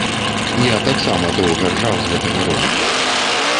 Я таксама доўга ржаў з гэтага роліка.